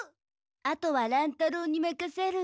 あとは乱太郎にまかせる。